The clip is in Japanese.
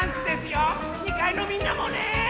２かいのみんなもね！